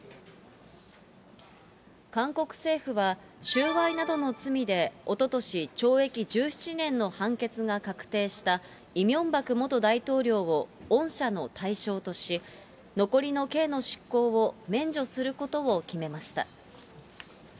韓国政府は、収賄などの罪でおととし、懲役１７年の判決が確定したイ・ミョンバク元大統領を恩赦の対象とし、残りの刑の執行を免除することを決めました。